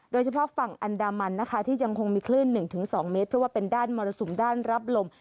โดยเฉพาะฝั่งอันดามันนะคะที่ยังคงมีคลื่น๑๒เมตรเพราะว่าเป็นด้านมรสุมด้านรับลม